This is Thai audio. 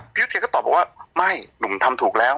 พี่ยุทธ์เขาก็ตอบบอกว่าไม่หนุ่มทำถูกแล้ว